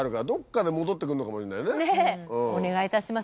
お願いいたします。